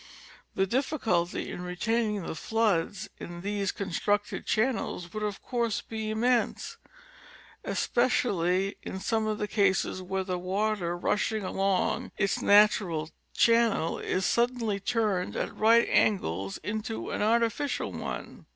The difficulty in retaining the floods in these constructed channels would of course be immense, especially in some of the cases where the water rushing along its natural channel is suddenly turned at right angles into an artificial one.